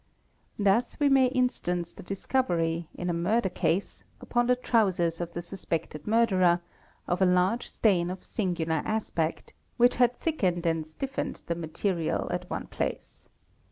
Thus we may instance the discovery, in a murder case, upon the trousers of the suspected murderer, of a large stair of singular aspect, which had thickened and stiffened the material at one" place.